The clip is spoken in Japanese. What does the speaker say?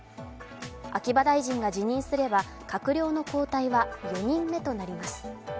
秋葉大臣が辞任すれば閣僚の交代は４人目となります。